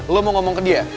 lo mau ngomong ke dia